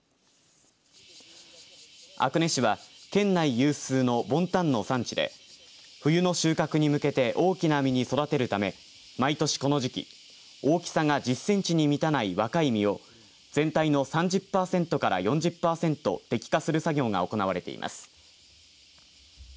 阿久根市は県内有数のボンタンの産地で冬の収穫に向けて大きな実に育てるため毎年この時期大きさが１０センチに満たない若い実を全体の３０パーセントから４０パーセント摘果する作業が行われています。